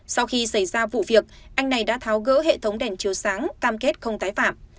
sau khi xảy ra vụ việc anh này đã tháo gỡ hệ thống đèn chiếu sáng cam kết không tái phạm